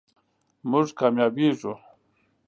مونږ کامیابیږو